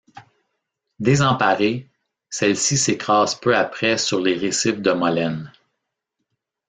Désemparée, celle-ci s'écrase peu après sur les récifs de Molène.